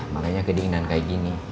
makanya kedinginan kayak gini